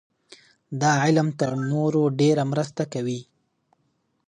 دا علم تر نورو ډېره مرسته کوي.